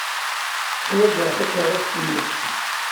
Ḥwajeɣ takeṛṛust-nnek.